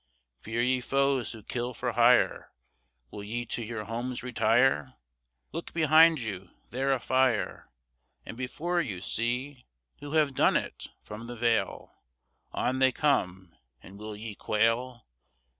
Fear ye foes who kill for hire? Will ye to your homes retire? Look behind you! they're a fire! And, before you, see Who have done it! From the vale On they come! And will ye quail?